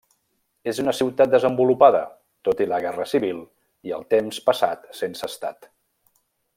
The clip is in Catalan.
És una ciutat desenvolupada, tot i la guerra civil i el temps passat sense estat.